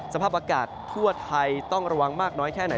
สภาพอากาศทั่วไทยต้องระวังมากน้อยแค่ไหน